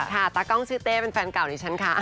ตากล้องชื่อเต้เป็นแฟนเก่าดิฉันค่ะ